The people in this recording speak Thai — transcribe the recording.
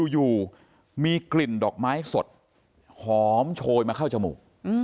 อยู่มีกลิ่นดอกไม้สดหอมโชยมาเข้าจมูก